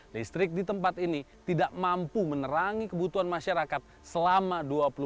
listrik di tempat ini tidak mampu menerangi kebutuhan masyarakat selama dua puluh empat jam